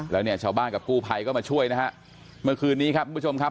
แล้วเนี่ยชาวบ้านกับกู้ภัยก็มาช่วยนะฮะเมื่อคืนนี้ครับทุกผู้ชมครับ